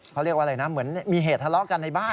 เขาเรียกว่าอะไรนะเหมือนมีเหตุทะเลาะกันในบ้าน